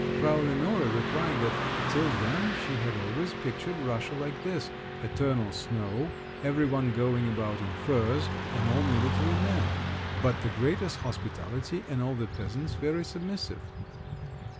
Frau Lenore replied that till then she had always pictured Russia like this—eternal snow, every one going about in furs, and all military men, but the greatest hospitality, and all the peasants very submissive!